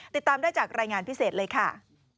ติดตามได้จากรายงานพิเศษเลยค่ะ